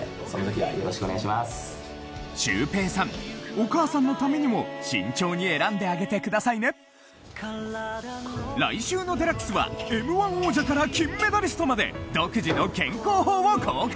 お母さんのためにも慎重に選んであげてくださいね来週の『ＤＸ』はＭ―１王者から金メダリストまで独自の健康法を公開！